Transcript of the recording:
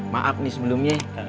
maaf nih sebelumnya